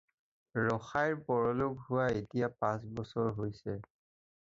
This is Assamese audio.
ৰসাইৰ পৰলোক হোৱা এতিয়া পাঁচ বছৰ হৈছে।